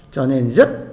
cho nên rất